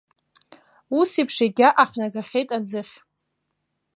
Усеиԥш егьа ахнагахьеит аӡыхь.